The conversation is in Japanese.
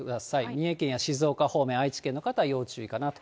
三重県や静岡方面、愛知県の方、要注意かなと。